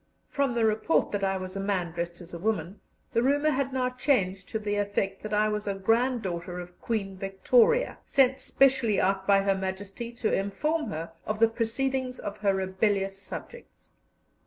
From the report that I was a man dressed as a woman, the rumour had now changed to the effect that I was a granddaughter of Queen Victoria, sent specially out by Her Majesty to inform her of the proceedings of her rebellious subjects.